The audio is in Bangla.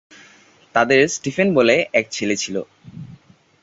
তাদের স্টিফেন বলে এক ছেলে ছিল।